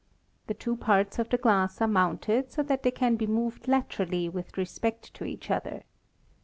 The two parts of the glass are mounted so that they can be moved laterally with respect to each other.